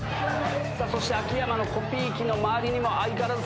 そして秋山のコピー機の周りにも相変わらず生徒多いが。